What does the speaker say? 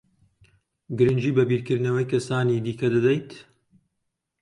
گرنگی بە بیرکردنەوەی کەسانی دیکە دەدەیت؟